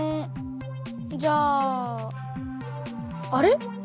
じゃああれ？